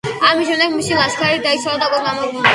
ამის შემდეგ მისი ლაშქარი დაიშალა და უკან გაბრუნდა.